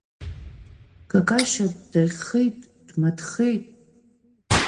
Какашьа ддаӷьхеит-дмаҭхеит.